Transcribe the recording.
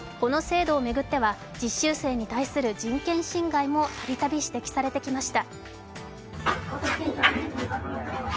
この制度を巡っては実習生に対する人権侵害もたびたび指摘されてきました。